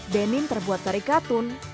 denim terbuat dari katun